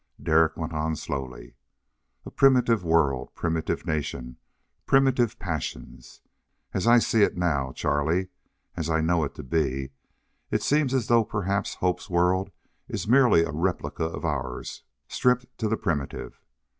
Derek went on slowly: "A primitive world, primitive nation, primitive passions! As I see it now, Charlie as I know it to be it seems as though perhaps Hope's world is merely a replica of ours, stripped to the primitive.